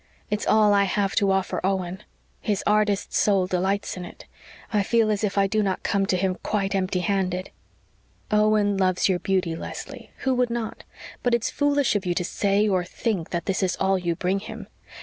It's all I have to offer Owen, his artist soul delights in it. I feel as if I do not come to him quite empty handed." "Owen loves your beauty, Leslie. Who would not? But it's foolish of you to say or think that that is all you bring him.